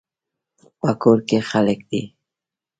په کور کې خلک دي